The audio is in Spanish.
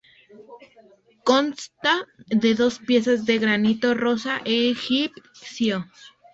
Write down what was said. Consta de dos piezas de granito rosa egipcio.